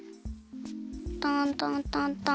トントントントン。